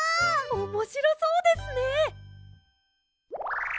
おもしろそうですね。